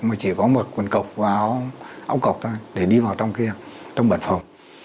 mà chỉ có mặc quần cọc và áo cọc thôi để đi vào trong kia trong bản phòng